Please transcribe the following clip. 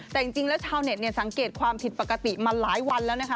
แต่จริงแล้วชาวเน็ตสังเกตความผิดปกติมาหลายวันแล้วนะคะ